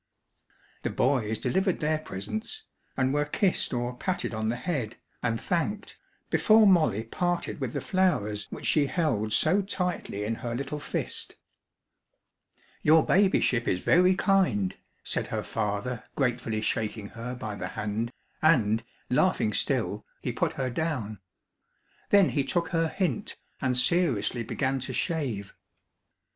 The boys delivered their presents, and were kissed or patted on the head, and thanked, before Molly parted with the flowers which she held so tightly in her little fist. "Your Babyship is very kind," said her father, gratefully shaking her by the hand, and, laughing still, he put her down. Then he took her hint, and seriously began to shave.